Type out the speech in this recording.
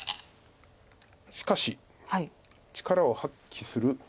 しかし力を発揮する。